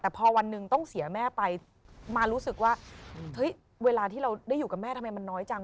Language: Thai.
แต่พอวันหนึ่งต้องเสียแม่ไปมารู้สึกว่าเฮ้ยเวลาที่เราได้อยู่กับแม่ทำไมมันน้อยจัง